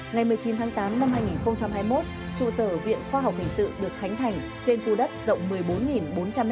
ngày một mươi chín tháng tám năm hai nghìn hai mươi một trụ sở viện khoa học hình sự được khánh thành trên khu đất rộng một mươi bốn bốn trăm linh m hai